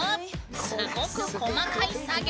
すごく細かい作業。